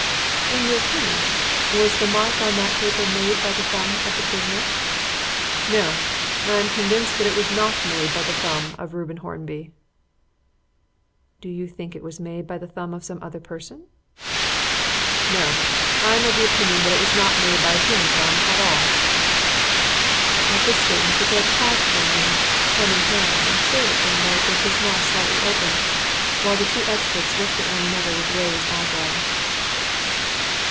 "In your opinion, was the mark upon that paper made by the thumb of the prisoner?" "No. I am convinced that it was not made by the thumb of Reuben Hornby." "Do you think that it was made by the thumb of some other person?" "No. I am of opinion that it was not made by a human thumb at all." At this statement the judge paused for a moment, pen in hand, and stared at Thorndyke with his mouth slightly open, while the two experts looked at one another with raised eyebrows.